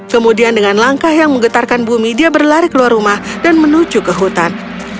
kemudian dengan langkah yang menggetarkan bumi dia berlari keluar rumah dan menuju ke hutan